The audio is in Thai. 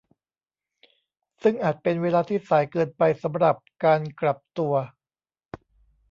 ซึ่งอาจเป็นเวลาที่สายเกินไปสำหรับการกลับตัว